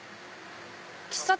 喫茶店！